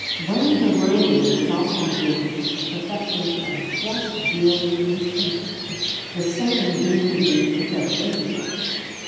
Wayne the Worthy was also engaged in perfecting a death dealing instrument, the same being the interrogation point.